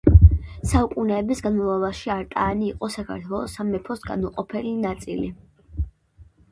საუკუნეების განმავლობაში არტაანი იყო საქართველოს სამეფოს განუყოფელი ნაწილი.